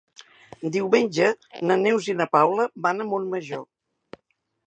Diumenge na Neus i na Paula van a Montmajor.